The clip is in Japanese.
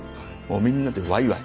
みんなでわいわい。